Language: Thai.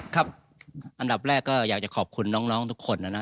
ครับอันดับแรกก็อยากจะขอบคุณน้องทุกคนนะนะ